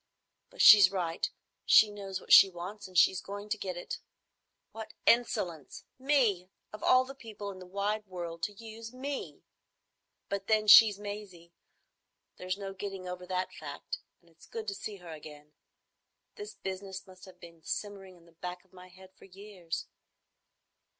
But she's right. She knows what she wants, and she's going to get it. What insolence! Me! Of all the people in the wide world, to use me! But then she's Maisie. There's no getting over that fact; and it's good to see her again. This business must have been simmering at the back of my head for years....